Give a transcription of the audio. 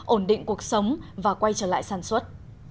ổn định cuộc sống và quay trở lại sản xuất